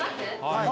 はい。